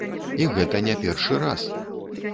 І гэта не першы раз!